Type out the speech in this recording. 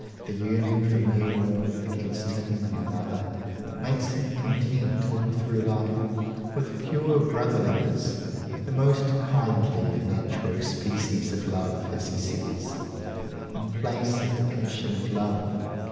The yearning for mere warmth against him in another, makes him content, all through life, with pure brotherliness, "the most kindly and natural species of love," as he says, in place of the passion of love.